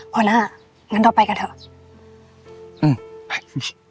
ผล่างั้นเราไปกันเถอะอืมไป